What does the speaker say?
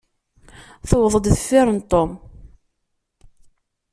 Tewweḍ-d deffir n Tom.